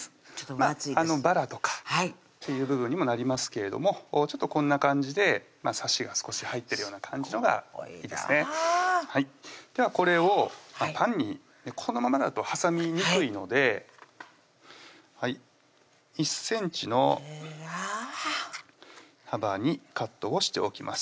まぁバラとかっていう部分にもなりますけれどもちょっとこんな感じでサシが少し入ってるような感じのがいいですねではこれをパンにこのままだと挟みにくいので１ｃｍの幅にカットをしておきます